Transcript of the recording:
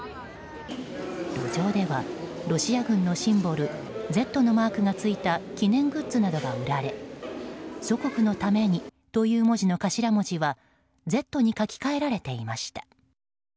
路上では、ロシア軍のシンボル「Ｚ」のマークがついた記念グッズなどが売られ「祖国のために」という文字の頭文字は「Ｚ」に書き換えられていました。